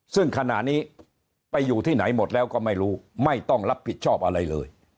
ซึ่งขณะนี้ไปอยู่ที่ไหนหมดแล้วก็ไม่รู้ไม่ต้องรับผิดชอบอะไรเลย